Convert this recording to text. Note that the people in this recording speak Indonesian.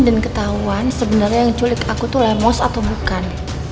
dan ketahuan sebenarnya yang culik aku tuh lemos atau bukan